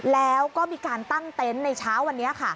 แล้วก็มีการตั้งเต็นต์ในเช้าวันนี้ค่ะ